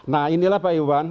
nah inilah pak edwan